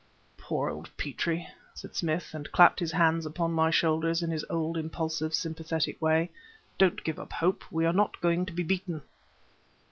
"Poor old Petrie," said Smith, and clapped his hands upon my shoulders in his impulsive sympathetic way. "Don't give up hope! We are not going to be beaten!"